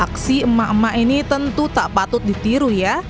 aksi emak emak ini tentu tak patut ditiru ya